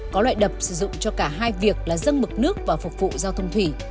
có loại đập sử dụng cho cả hai việc là dâng mực nước và phục vụ giao thông thủy